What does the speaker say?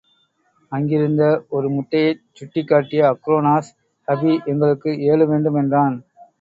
அங்கிருந்த ஒரு முட்டையைச் சுட்டிக் காட்டிய அக்ரோனோஸ், ஹபி, எங்களுக்கு ஏழு வேண்டும் என்றான்.